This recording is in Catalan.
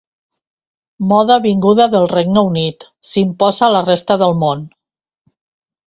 Moda vinguda del Regne Unit, s'imposa a la resta del món.